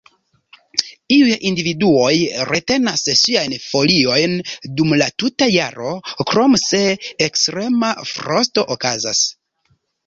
Iuj individuoj retenas siajn foliojn dum la tuta jaro, krom se ekstrema frosto okazas.